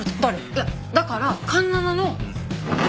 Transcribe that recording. いやだから環七の。